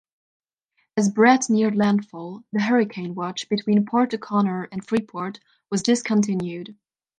As Bret neared landfall, the hurricane watch between Port O'Connor and Freeport was discontinued.